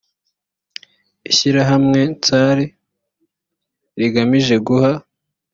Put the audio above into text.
ishyirahamwe nsar rigamije guha